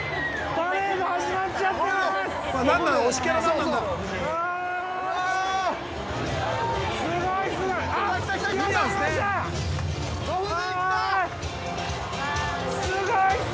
パレード始まっちゃってます！